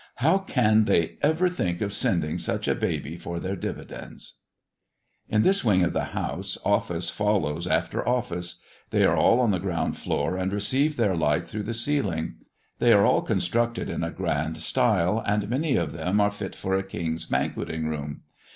How can they ever think of sending such a baby for their dividends!" In this wing of the house, office follows after office; they are all on the ground floor, and receive their light through the ceiling; they are all constructed in a grand style, and many of them are fit for a king's banqueting room.